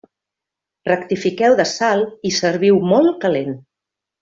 Rectifiqueu de sal i serviu molt calent.